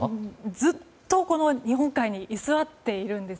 ずっと日本海に居座っているんです